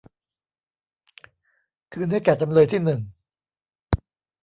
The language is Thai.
คืนให้แก่จำเลยที่หนึ่ง